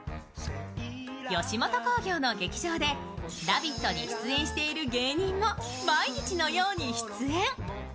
吉本興業の劇場で、「ラヴィット！」に出演している芸人も毎日のように出演。